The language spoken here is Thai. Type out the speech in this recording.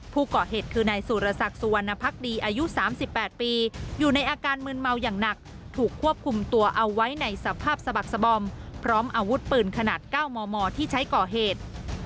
ผู้ก่อเหตุคือนายสุรศักดิ์สุวรรณภักดีอายุ๓๘ปีอยู่ในอาการมืนเมาอย่างหนักถูกควบคุมตัวเอาไว้ในสภาพสะบักสบอมพร้อมอาวุธปืนขนาด๙มมที่ใช้ก่อเหตุ